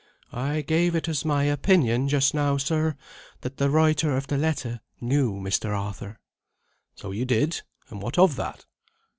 "I gave it as my opinion just now, sir, that the writer of the letter knew Mr. Arthur." "So you did. And what of that?"